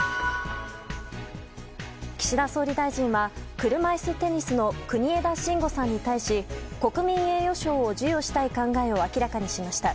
岸田総理大臣は車いすテニスの国枝慎吾さんに対し国民栄誉賞を授与したい考えを明らかにしました。